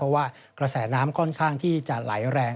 เพราะว่ากระแสน้ำค่อนข้างที่จะไหลแรง